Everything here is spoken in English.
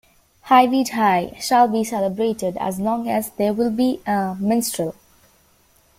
Hyveidd Hir shall be celebrated as long as there will be a minstrel.